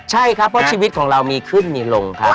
ใช่ครับเพราะชีวิตของเรามีขึ้นมีลงครับ